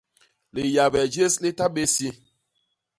Liyabe jés li ta bé isi.